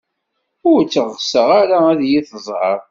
Ur tt-ɣseɣ ara ad iyi-tẓer.